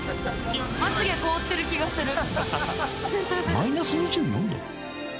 ［マイナス２４℃！？］